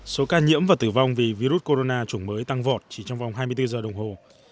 số ca nhiễm và tử vong vì virus corona chủng mới tăng vọt chỉ trong vòng hai mươi bốn giờ đồng hồ